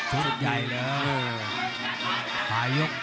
โหโหโหโหโหโห